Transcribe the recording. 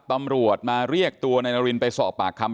ตำรวจมาเรียกตัวนายนารินไปสอบปากคำ